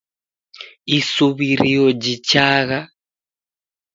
Isuw'irio jichagha.